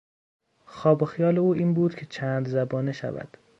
خواب و خیال او این بود که چند زبانه شود.